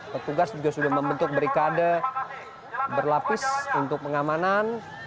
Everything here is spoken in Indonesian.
petugas juga sudah membentuk berikade berlapis untuk pengamanan